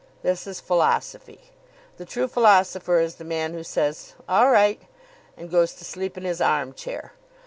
This is Philosophy. The true philosopher is the man who says "All right," and goes to sleep in his arm chair.